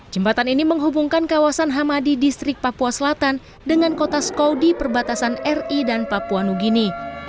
jembatan ini menghubungkan kawasan hamadi distrik papua selatan dengan kota skoudi perbatasan ri dan papua nugini